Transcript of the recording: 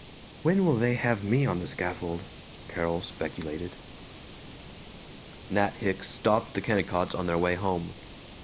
"When will they have me on the scaffold?" Carol speculated. Nat Hicks stopped the Kennicotts on their way home.